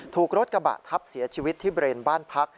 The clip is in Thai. ถูกรถกระบะทับเสียชีวิตที่เบรนบ้านพัก